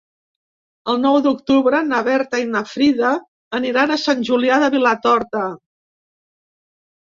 El nou d'octubre na Berta i na Frida aniran a Sant Julià de Vilatorta.